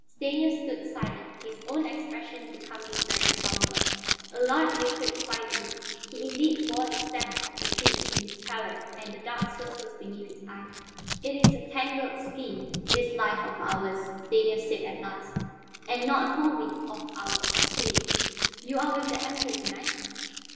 Stanief stood silent, his own expression becoming very somber. Allard waited quietly; he indeed bore the stamp of fatigue in his pallor and the dark circles beneath his eyes. "It is a tangled skein, this life of ours," Stanief said at last, "and not wholly of our spinning. You are with the Emperor to night?"